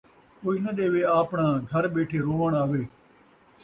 کئی ناں ݙیوے آپݨاں ، گھر ٻیٹھے رووݨ آوے